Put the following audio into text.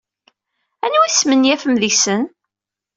Anwa ay tesmenyafem deg-sen?